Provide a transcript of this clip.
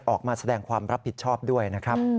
ออกมาแสดงความรับผิดชอบด้วยนะครับ